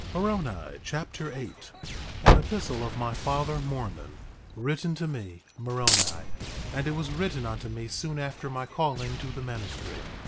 Moroni Chapter 8 8:1 An epistle of my father Mormon, written to me, Moroni; and it was written unto me soon after my calling to the ministry.